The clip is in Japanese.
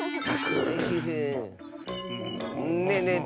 ねえねえ